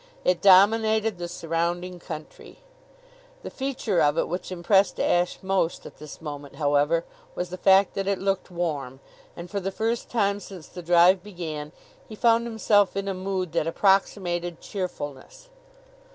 It dominated the surrounding country. The feature of it which impressed Ashe most at this moment, however, was the fact that it looked warm; and for the first time since the drive began he found himself in a mood that approximated cheerfulness.